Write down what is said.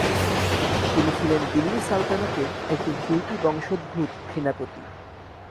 তিনি ছিলেন দিল্লী সালতানাতের একজন তুর্কি বংশোদ্ভূত সেনাপতি।